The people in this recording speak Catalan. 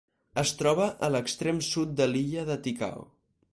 Es troba a l'extrem sud de l'illa de Ticao.